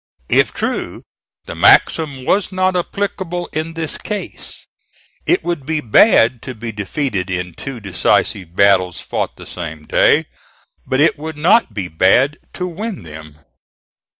If true, the maxim was not applicable in this case. It would be bad to be defeated in two decisive battles fought the same day, but it would not be bad to win them.